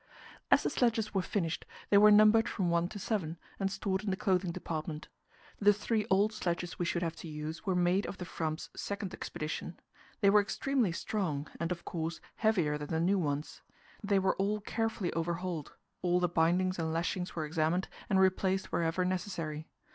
As the sledges were finished, they were numbered from one to seven, and stored in the clothing department. The three old sledges we should have to use were made for the Fram's second expedition. They were extremely strong, and, of course, heavier than the new ones. They were all carefully overhauled; all the bindings and lashings were examined, and replaced wherever necessary.